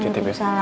jangan lupa salam